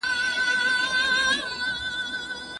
ولي خاوند بايد مراعات کوونکی وي؟